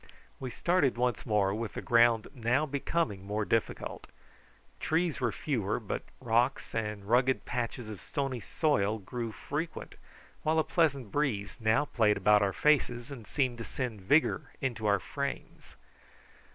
We started once more, with the ground now becoming more difficult. Trees were fewer, but rocks and rugged patches of stony soil grew frequent, while a pleasant breeze now played about our faces and seemed to send vigour into our frames.